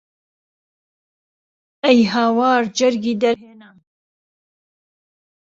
ئهی هاوار جهرگی دهرهێنام